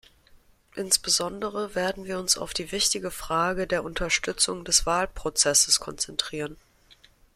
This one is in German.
Insbesondere werden wir uns auf die wichtige Frage der Unterstützung des Wahlprozesses konzentrieren.